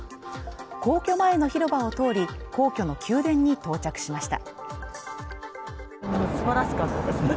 皇居前の広場を通り、皇居の宮殿に到着しました。